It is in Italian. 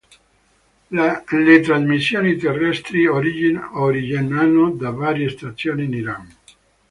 Le trasmissioni terrestri originano da varie stazioni in Iran.